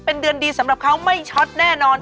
เป็นเดือนดีสำหรับเขาไม่ช็อตแน่นอน